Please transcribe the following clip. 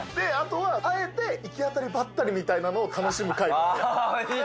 あとはあえて行き当たりばったりみたいなのを楽しむ回もある。